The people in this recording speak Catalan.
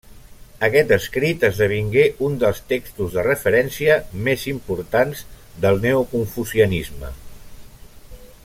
Aquest escrit esdevingué un dels textos de referència més importants del neoconfucianisme.